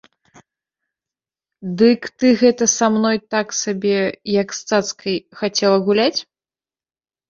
Дык ты гэта са мной так сабе, як з цацкай, хацела гуляць?